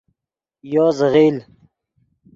یو زیغیل